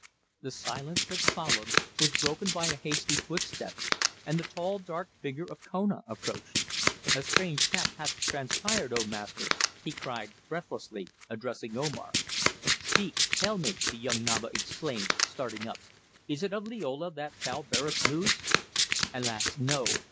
The silence that followed was broken by a hasty footstep, and the tall dark figure of Kona approached. "A strange fact hath transpired, O Master!" he cried breathlessly, addressing Omar. "Speak, tell me," the young Naba exclaimed, starting up. "Is it of Liola that thou bearest news?" "Alas! no.